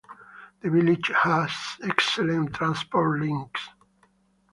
The village has excellent transport links.